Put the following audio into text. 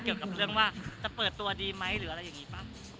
เกี่ยวกับเรื่องจะเปิดตัวดีไหม